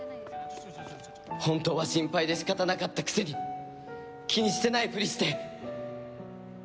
本当は心配で仕方なかったくせに気にしてないふりして。